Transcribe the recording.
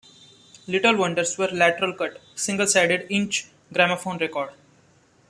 Little Wonders were lateral-cut single sided inch gramophone records.